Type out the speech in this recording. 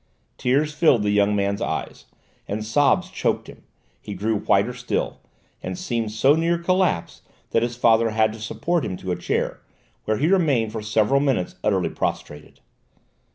Tears filled the young fellow's eyes and sobs choked him; he grew whiter still, and seemed so near collapse that his father had to support him to a chair, where he remained for several minutes utterly prostrated.